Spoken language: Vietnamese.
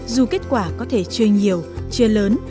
dù kết quả có thể chưa nhiều chưa lớn